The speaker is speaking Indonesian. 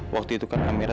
waktu itu kan amira